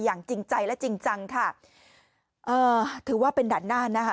อย่างจริงใจและจริงจังค่ะถือว่าเป็นดันหน้านะฮะ